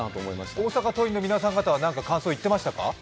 大阪桐蔭の皆様方は感想何か言ってましたか？